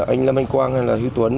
anh lâm anh quang hay là hữu tuấn